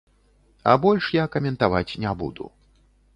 А больш я каментаваць не буду.